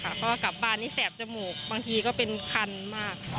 เพราะว่ากลับบ้านนี่แสบจมูกบางทีก็เป็นคันมาก